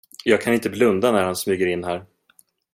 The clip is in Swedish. Jag kan inte blunda när han smyger in här.